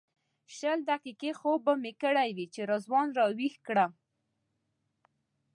شل دقیقې خوب به مې کړی وي چې رضوان راویښ کړم.